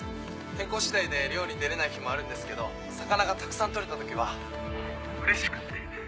天候次第で漁に出れない日もあるんですけど魚がたくさん取れた時はもううれしくって。